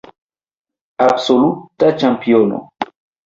Absoluta ĉampiono.